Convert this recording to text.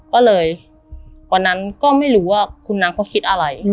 ก็เลยวันนั้นก็ไม่รู้ว่าคุณน้ำเขาคิดอะไร